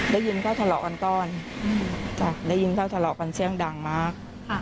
ได้ยินแค่ทะเลาะกันก่อนได้ยินแค่ทะเลาะกันเสียงดังมาก